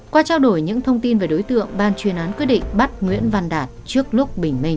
qua trao đổi những thông tin về đối tượng ban chuyên án quyết định bắt nguyễn văn đạt trước lúc bình minh